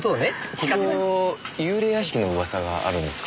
ここ幽霊屋敷の噂があるんですか？